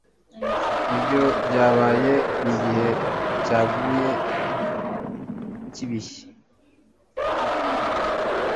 Ibyo byabaye mugihe cyaguye cyibihe